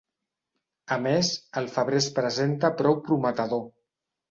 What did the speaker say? A més, el febrer es presenta prou prometedor.